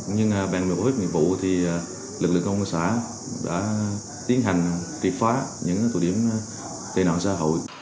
nhưng bằng một ít nhiệm vụ lực lượng công an xã đã tiến hành triệt phá những tội điểm tệ nạn xã hội